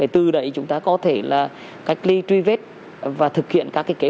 từ đấy chúng ta có thể là cách ly truy vết và thực hiện các kế hoạch